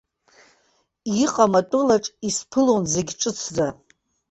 Иҟам атәылаҿ исԥылон зегь ҿыцӡа.